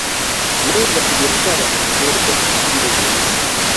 Meli za kibiashara mia moja sitini na nne